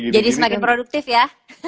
jadi semakin produktif ya